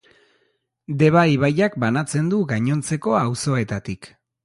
Deba ibaiak banatzen du gainontzeko auzoetatik.